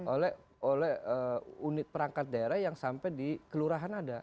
oleh unit perangkat daerah yang sampai di kelurahan ada